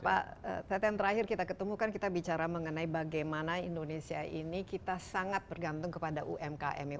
pak teten terakhir kita ketemu kan kita bicara mengenai bagaimana indonesia ini kita sangat bergantung kepada umkm ya